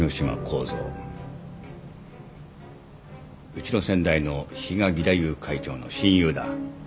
うちの先代の比嘉義太夫会長の親友だ